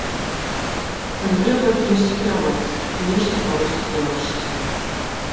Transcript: Там трэба кімсьці кіраваць, нешта камусьці тлумачыць.